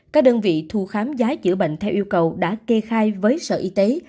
các đơn vị thu khám giá chữa bệnh theo yêu cầu đã kê khai với sở y tế